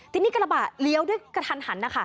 ทีนี้กระบะเลี้ยวด้วยกระทันหันนะคะ